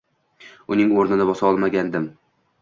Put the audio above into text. Uning o‘rnini bosa olmagandim.